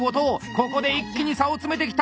ここで一気に差を詰めてきた！